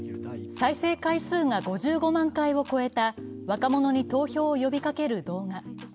再生回数が５５万回を超えた若者に投票を呼びかける動画。